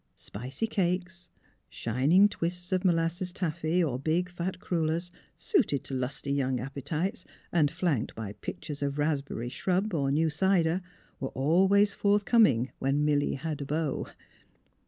Spicy cakes, shining twists of molasses taffy, or big, fat crullers, suited to lusty young appetites, and flanked by pitchers of raspberry " shrub " or new cider were always forthcoming when '' Milly had a beau."